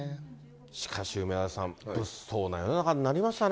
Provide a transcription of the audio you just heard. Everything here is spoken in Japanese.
しかし梅沢さん、物騒な世の中になりましたね。